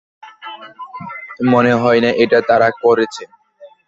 মনে হয় না এটা তারা করেছে!